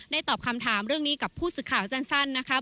ตอบคำถามเรื่องนี้กับผู้สื่อข่าวสั้นนะคะ